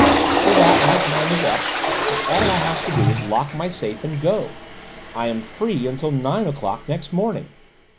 After that, my time is up, and all I have to do is lock my safe and go: I am free until nine o'clock next morning.